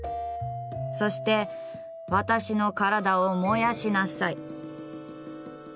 そして私の体を燃やしなさい。」